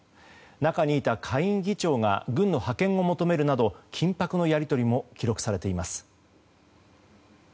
中にいた下院議長が軍の派遣を求めるなど緊迫のやり取りも記録されています。